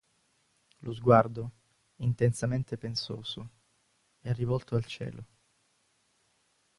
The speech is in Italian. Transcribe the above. Lo sguardo, intensamente pensoso, è rivolto al cielo.